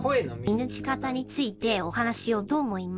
見抜き方についてお話ししようと思います。